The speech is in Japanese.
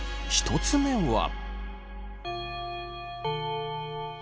１つ目は。